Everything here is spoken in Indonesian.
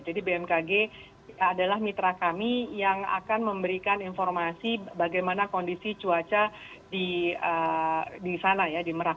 jadi bmkg adalah mitra kami yang akan memberikan informasi bagaimana kondisi cuaca di sana ya di merak